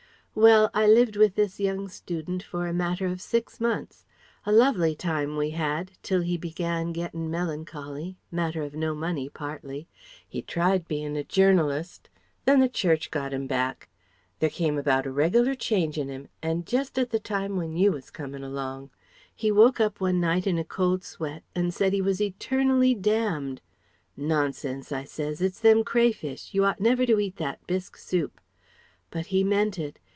"Well, I lived with this young student for a matter of six months. A lovely time we had, till he began gettin' melancholy matter of no money partly. He tried bein' a journalist. "Then the Church got him back. There came about a reg'lar change in him, and just at the time when you was comin' along. He woke up one night in a cold sweat and said he was eternally damned. 'Nonsense,' I says, 'it's them crayfish; you ought never to eat that bisque soup...' "But he meant it.